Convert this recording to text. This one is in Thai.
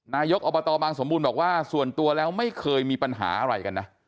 นายกอบตบางสมบูรณ์บอกว่าส่วนตัวแล้วไม่เคยมีปัญหาอะไรกันนะ